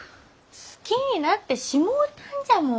好きになってしもうたんじゃもん。